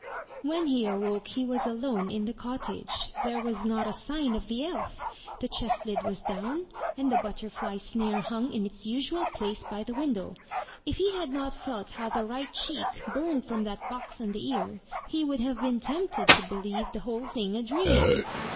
When he awoke he was alone in the cottage. There was not a sign of the elf! The chest lid was down, and the butterfly snare hung in its usual place by the window. If he had not felt how the right cheek burned from that box on the ear, he would have been tempted to believe the whole thing a dream.